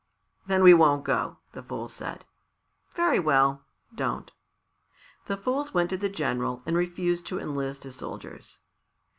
"Then we won't go," the fools said. "Very well, don't." The fools went to the general and refused to enlist as soldiers.